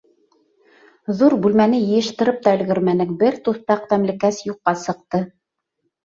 Ҙур бүлмәне йыйыштырып та өлгөрмәнек, бер туҫтаҡ тәмлекәс юҡҡа сыҡты.